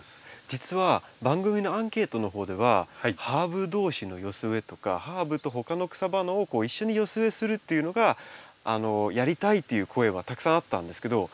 実は番組のアンケートの方ではハーブ同士の寄せ植えとかハーブと他の草花を一緒に寄せ植えするっていうのがやりたいという声はたくさんあったんですけど。